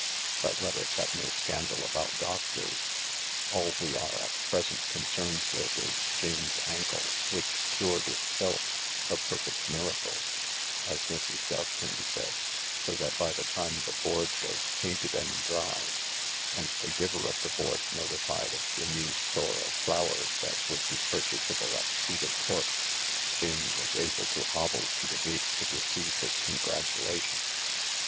But let us have no scandal about doctors. All we are at present concerned with is Jane's ankle, which cured itself "a perfect miracle," as Mrs. Doveton said, so that by the time the board was painted and dry, and the giver of the board notified of the new store of flowers that would be purchasable at Cedar Court, Jane was able to hobble to the gate to receive his congratulations.